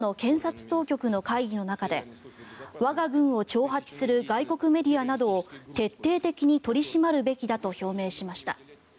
プーチン大統領は２５日ロシアの検察当局の会議の中で我が軍を挑発する外国メディアなどを徹底的に取り締まるべきだと表明しました。